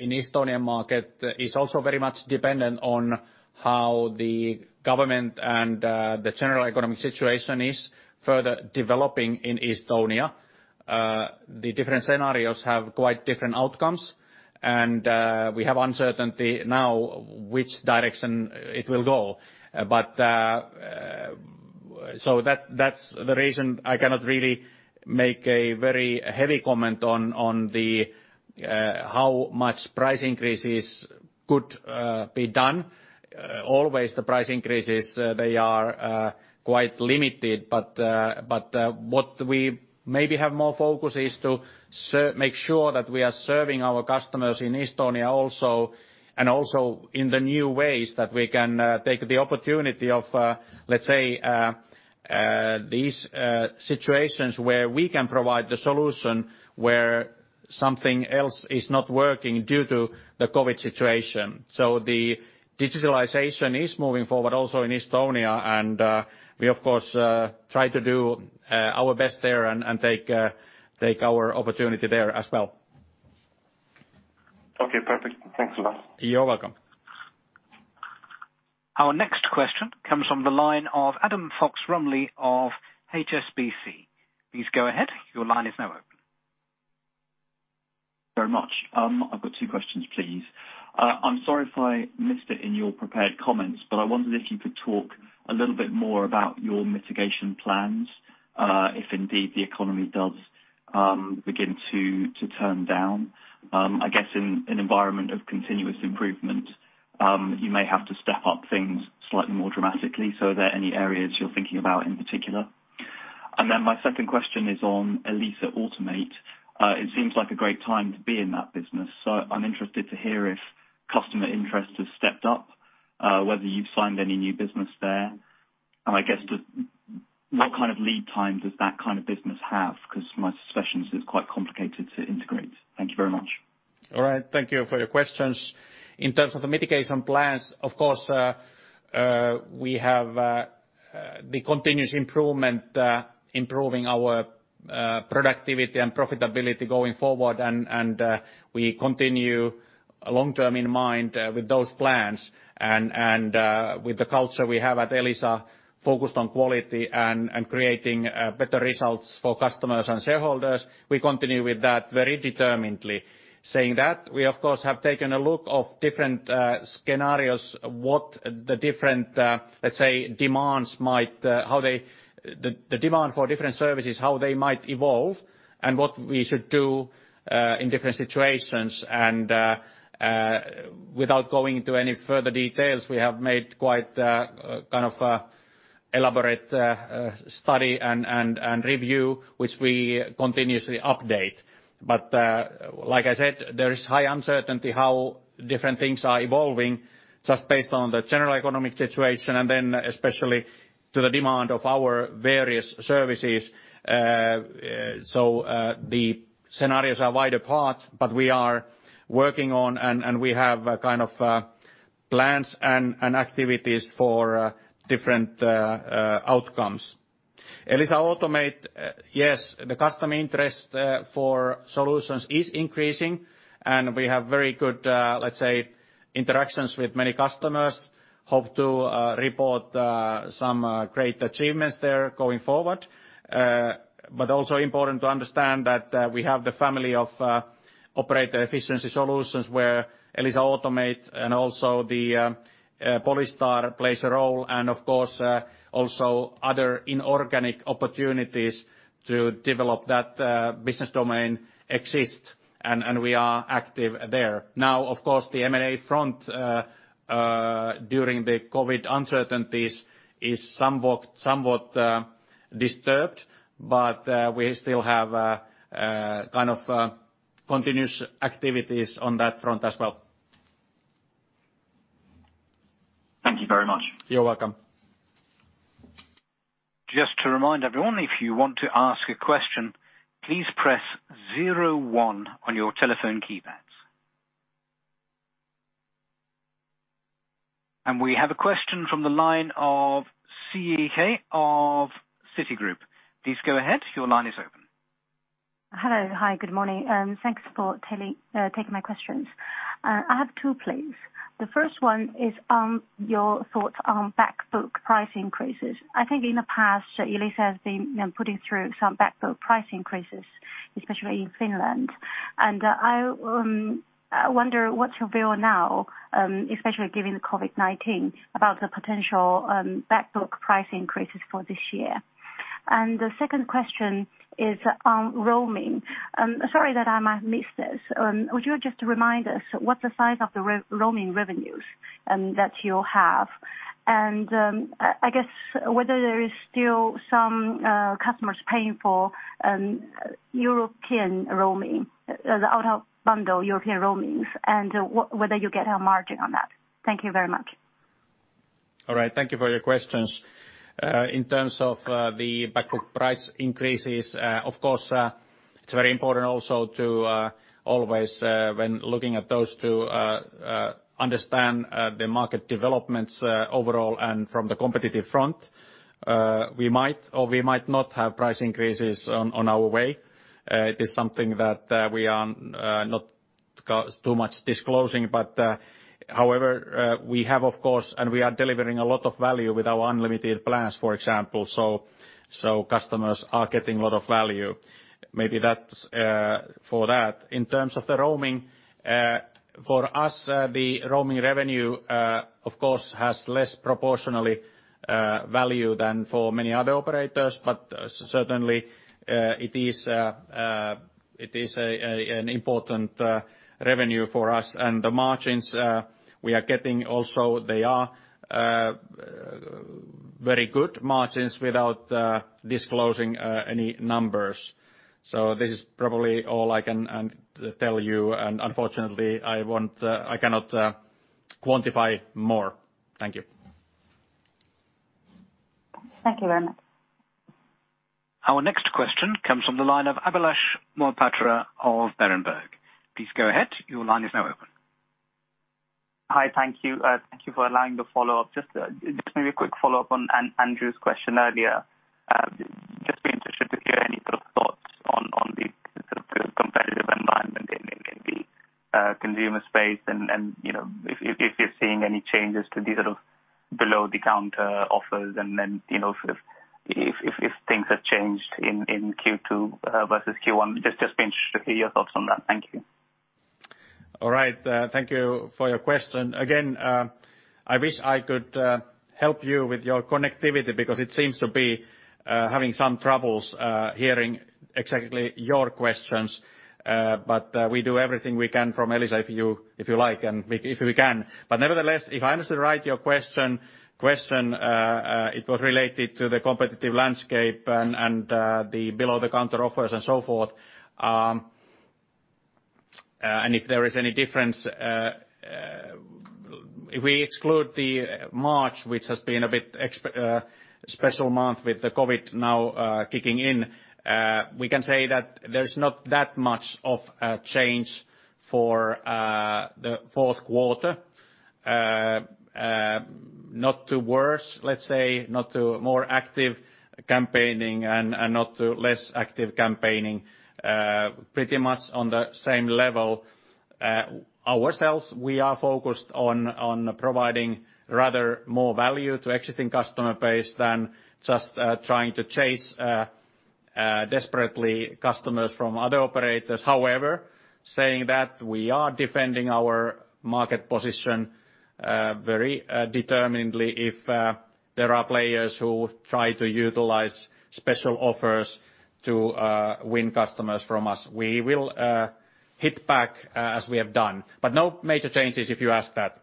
Speaker 2: in Estonian market is also very much dependent on how the government and the general economic situation is further developing in Estonia. The different scenarios have quite different outcomes, we have uncertainty now which direction it will go. That's the reason I cannot really make a very heavy comment on how much price increases could be done. Always the price increases they are quite limited. What we maybe have more focus is to make sure that we are serving our customers in Estonia also, and also in the new ways that we can take the opportunity of, let's say, these situations where we can provide the solution where something else is not working due to the COVID situation. The digitalization is moving forward also in Estonia, and we of course try to do our best there and take our opportunity there as well.
Speaker 12: Okay, perfect. Thanks a lot.
Speaker 2: You're welcome.
Speaker 4: Our next question comes from the line of Adam Fox-Rumley of HSBC. Please go ahead. Your line is now open.
Speaker 13: Very much. I've got two questions, please. I'm sorry if I missed it in your prepared comments, but I wondered if you could talk a little bit more about your mitigation plans, if indeed the economy does begin to turn down. I guess in an environment of continuous improvement, you may have to step up things slightly more dramatically. Are there any areas you're thinking about in particular? My second question is on Elisa Automate. It seems like a great time to be in that business. I'm interested to hear if customer interest has stepped up, whether you've signed any new business there. I guess, what kind of lead time does that kind of business have? Because my suspicion is it's quite complicated to integrate. Thank you very much.
Speaker 2: All right. Thank you for your questions. In terms of the mitigation plans, of course, we have the continuous improvement, improving our productivity and profitability going forward. We continue long-term in mind with those plans and with the culture we have at Elisa, focused on quality and creating better results for customers and shareholders. We continue with that very determinedly. Saying that, we, of course, have taken a look of different scenarios, what the different, let's say, The demand for different services, how they might evolve and what we should do, in different situations and without going into any further details, we have made quite kind of elaborate study and review, which we continuously update. Like I said, there is high uncertainty how different things are evolving just based on the general economic situation and then especially to the demand of our various services. The scenarios are wide apart, but we are working on, and we have kind of plans and activities for different outcomes. Elisa Automate, yes, the customer interest for solutions is increasing, and we have very good, let's say, interactions with many customers. Hope to report some great achievements there going forward. Also important to understand that we have the family of operator efficiency solutions where Elisa Automate and also the Polystar plays a role and, of course, also other inorganic opportunities to develop that business domain exist. We are active there. Of course, the M&A front during the COVID uncertainties is somewhat disturbed, but we still have kind of continuous activities on that front as well.
Speaker 13: Thank you very much.
Speaker 2: You're welcome.
Speaker 4: Just to remind everyone, if you want to ask a question, please press zero one on your telephone keypads. We have a question from the line of Siyi He of Citigroup. Please go ahead. Your line is open.
Speaker 14: Hello. Hi. Good morning. Thanks for taking my questions. I have two, please. The first one is on your thoughts on back book price increases. I think in the past, Elisa has been putting through some back book price increases, especially in Finland. I wonder what's your view now, especially given the COVID-19, about the potential back book price increases for this year? The second question is on roaming. Sorry that I might have missed this. Would you just remind us what the size of the roaming revenues that you have and, I guess whether there is still some customers paying for European roaming, the out of bundle European roamings and whether you get a margin on that? Thank you very much.
Speaker 2: All right. Thank you for your questions. In terms of the back book price increases, of course, it is very important also to always when looking at those two, understand the market developments overall and from the competitive front. We might or we might not have price increases on our way. It is something that we are not too much disclosing, but however, we have, of course, and we are delivering a lot of value with our unlimited plans, for example. Customers are getting a lot of value. Maybe that's for that. In terms of the roaming, for us, the roaming revenue, of course, has less proportionally value than for many other operators. Certainly, it is an important revenue for us and the margins we are getting also, they are very good margins without disclosing any numbers. This is probably all I can tell you, and unfortunately, I cannot quantify more. Thank you.
Speaker 14: Thank you very much.
Speaker 4: Our next question comes from the line of Abhilash Mohapatra of Berenberg. Please go ahead. Your line is now open.
Speaker 5: Hi. Thank you. Thank you for allowing the follow-up. Just maybe a quick follow-up on Andrew's question earlier. Just be interested to hear any sort of thoughts on the competitive environment in the consumer space and if you're seeing any changes to the sort of below the counter offers and then if things have changed in Q2 versus Q1. Just be interested to hear your thoughts on that. Thank you.
Speaker 2: All right. Thank you for your question. I wish I could help you with your connectivity because it seems to be having some troubles hearing exactly your questions. We do everything we can from Elisa if you like and if we can. If I understood right, your question, it was related to the competitive landscape and the below the counter offers and so forth. If there is any difference, if we exclude the March, which has been a bit special month with the COVID now kicking in, we can say that there is not that much of a change for the fourth quarter. Not to worse, let's say, not to more active campaigning and not to less active campaigning. Pretty much on the same level. Ourselves, we are focused on providing rather more value to existing customer base than just trying to chase desperately customers from other operators. Saying that, we are defending our market position very determinedly. If there are players who try to utilize special offers to win customers from us, we will hit back as we have done. No major changes if you ask that.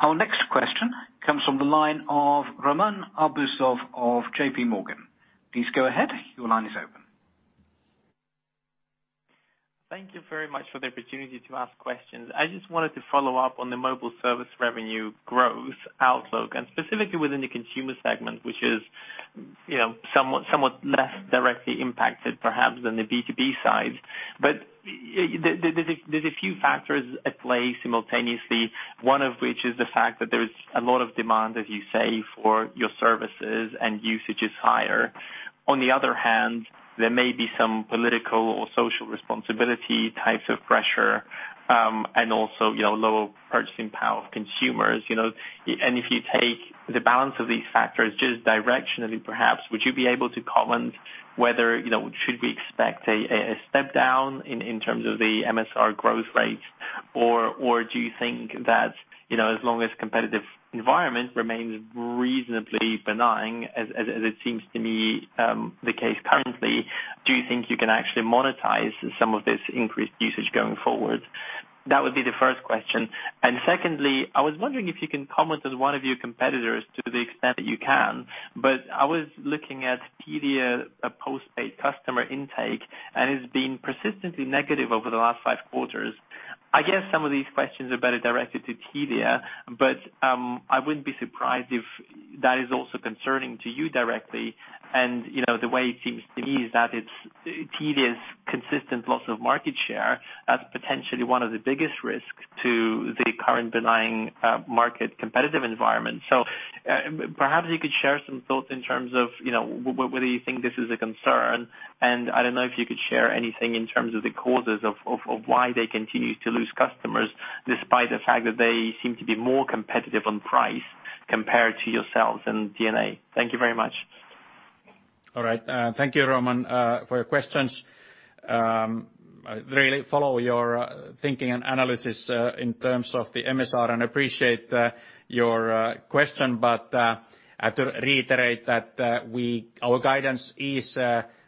Speaker 4: Our next question comes from the line of Roman Arbuzov of JPMorgan. Please go ahead. Your line is open.
Speaker 15: Thank you very much for the opportunity to ask questions. I just wanted to follow up on the mobile service revenue growth outlook, and specifically within the consumer segment, which is somewhat less directly impacted, perhaps, than the B2B side. There's a few factors at play simultaneously, one of which is the fact that there is a lot of demand, as you say, for your services and usage is higher. On the other hand, there may be some political or social responsibility types of pressure, and also low purchasing power of consumers. If you take the balance of these factors, just directionally perhaps, would you be able to comment whether should we expect a step down in terms of the MSR growth rate? Do you think that, as long as competitive environment remains reasonably benign, as it seems to me the case currently, do you think you can actually monetize some of this increased usage going forward? That would be the first question. Secondly, I was wondering if you can comment on one of your competitors to the extent that you can. I was looking at Telia postpaid customer intake, and it's been persistently negative over the last five quarters. I guess some of these questions are better directed to Telia, but I wouldn't be surprised if that is also concerning to you directly. The way it seems to me is that it's Telia's consistent loss of market share that's potentially one of the biggest risks to the current benign market competitive environment. Perhaps you could share some thoughts in terms of whether you think this is a concern? I don't know if you could share anything in terms of the causes of why they continue to lose customers, despite the fact that they seem to be more competitive on price compared to yourselves and DNA? Thank you very much.
Speaker 2: All right. Thank you, Roman, for your questions. I really follow your thinking and analysis in terms of the MSR and appreciate your question. I have to reiterate that our guidance is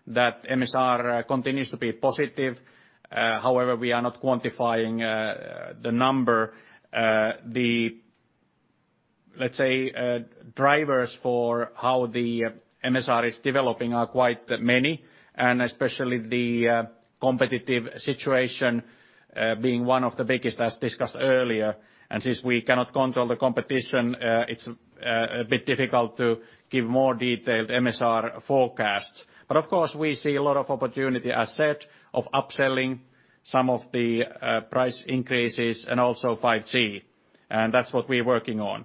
Speaker 2: that MSR continues to be positive. However, we are not quantifying the number. Let's say drivers for how the MSR is developing are quite many, and especially the competitive situation being one of the biggest, as discussed earlier. Since we cannot control the competition, it's a bit difficult to give more detailed MSR forecasts. Of course, we see a lot of opportunity asset of upselling some of the price increases and also 5G. That's what we're working on.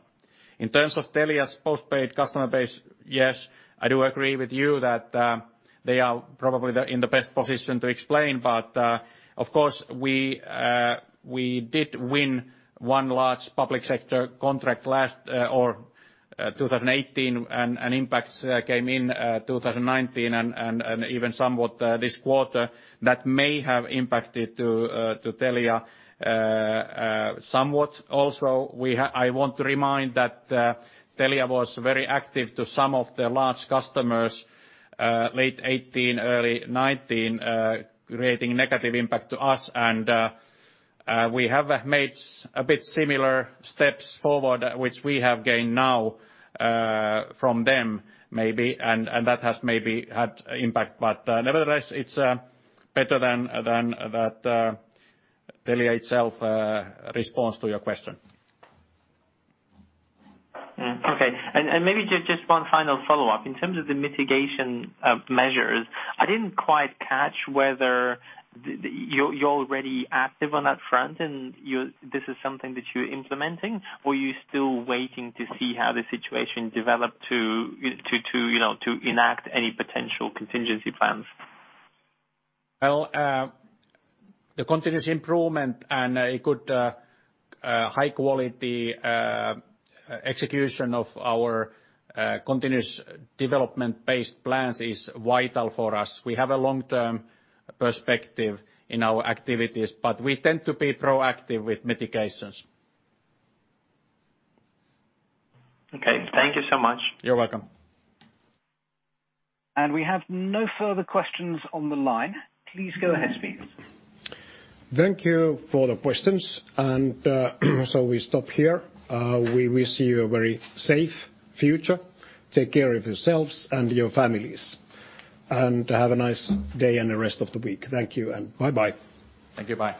Speaker 2: In terms of Telia's postpaid customer base, Yes, I do agree with you that they are probably in the best position to explain. Of course, we did win one large public sector contract 2018 and impacts came in 2019 and even somewhat this quarter. That may have impacted to Telia somewhat. I want to remind that Telia was very active to some of their large customers late 2018, early 2019, creating negative impact to us. We have made a bit similar steps forward, which we have gained now from them, maybe, and that has maybe had impact. Nevertheless, it's better that Telia itself responds to your question.
Speaker 15: Okay. Maybe just one final follow-up. In terms of the mitigation of measures, I didn't quite catch whether you're already active on that front and this is something that you're implementing, or you're still waiting to see how the situation developed to enact any potential contingency plans?
Speaker 2: Well, the continuous improvement and a good high-quality execution of our continuous development-based plans is vital for us. We have a long-term perspective in our activities, but we tend to be proactive with mitigations.
Speaker 15: Okay. Thank you so much.
Speaker 2: You're welcome.
Speaker 4: We have no further questions on the line. Please go ahead, Sahiv.
Speaker 1: Thank you for the questions. We stop here. We wish you a very safe future. Take care of yourselves and your families. Have a nice day and the rest of the week. Thank you and bye-bye.
Speaker 2: Thank you. Bye.